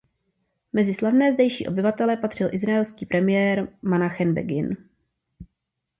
Mezi slavné zdejší obyvatele patřil izraelský premiér Menachem Begin.